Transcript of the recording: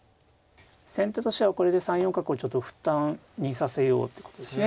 先手としてはこれで３四角をちょっと負担にさせようということですね。